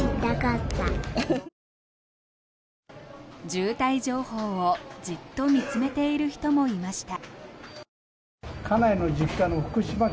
渋滞情報をじっと見つめている人もいました。